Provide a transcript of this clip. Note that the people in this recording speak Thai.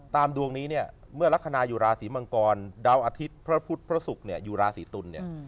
ดวงนี้เนี่ยเมื่อลักษณะอยู่ราศีมังกรดาวอาทิตย์พระพุทธพระศุกร์เนี่ยอยู่ราศีตุลเนี่ย